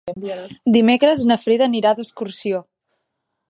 Dimecres na Frida anirà d'excursió.